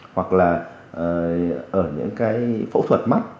hoặc là ở những cái phẫu thuật mắt